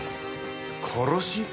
殺し？